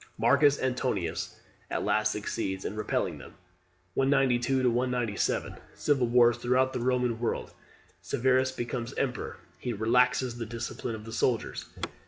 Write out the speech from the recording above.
Marcus Antoninus at last succeeds in repelling them. 192 197. Civil Wars throughout the Roman world. Severus becomes emperor. He relaxes the discipline of the soldiers.